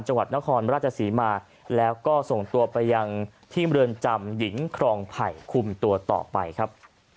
จังหวัดนครราชศรีมาแล้วก็ส่งตัวไปยังที่เมืองจำหญิงครองไผ่คุมตัวต่อไปครับ